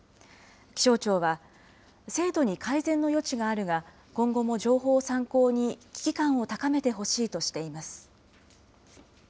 気象庁は、精度に改善の余地があるが、今後も情報を参考に、危機感を高めてほしいとしています。